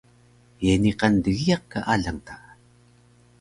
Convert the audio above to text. Ye niqan dgiyaq ka alang ta?